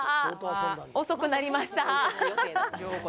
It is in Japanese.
遅くなりました。